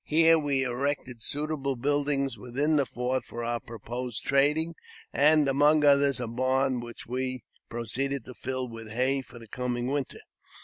Here we erected suitable buildings within the fort for our proposed trading, and, among others, a barn, which we proceeded to fill with hay for the coming winter.